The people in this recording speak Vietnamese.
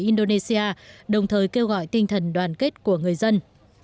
indonesia đồng thời kêu gọi tinh thần đoàn kết của người dân